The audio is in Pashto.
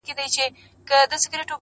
زما هينداره زما زړه او زما پير ورک دی!